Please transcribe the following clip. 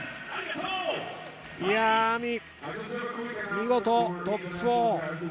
見事トップ４。